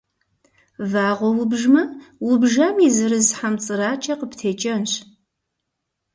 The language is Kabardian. Вагъуэ убжмэ, убжам и зырыз хьэмцӏыракӏэ къыптекӏэнщ.